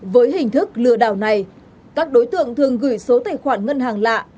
với hình thức lừa đảo này các đối tượng thường gửi số tài khoản ngân hàng lạ